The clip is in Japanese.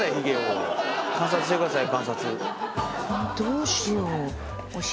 どうしよう？お尻？